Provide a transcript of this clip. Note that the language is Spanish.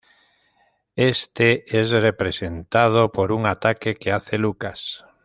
Este es representado por un ataque que hace Lucas.